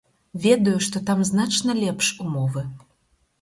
Ведаю, што там значна лепш умовы.